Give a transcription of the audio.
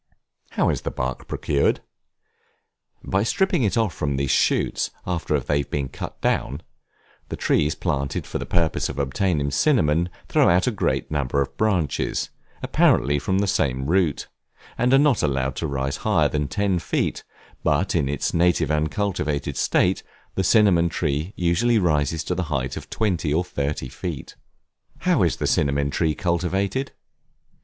How is the bark procured? By stripping it off from these shoots, after they have been cut down; the trees planted for the purpose of obtaining cinnamon, throw out a great number of branches, apparently from the same root, and are not allowed to rise higher than ten feet; but in its native uncultivated state, the cinnamon tree usually rises to the height of twenty or thirty feet. How is the Cinnamon Tree cultivated?